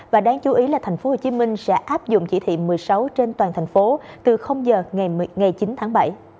và đáng chú ý là tp hcm sẽ áp dụng chỉ thị một mươi sáu trên toàn thành phố từ giờ ngày chín tháng bảy